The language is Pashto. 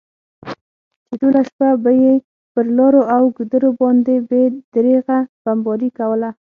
چې ټوله شپه به یې پر لارو او ګودرو باندې بې درېغه بمباري کوله.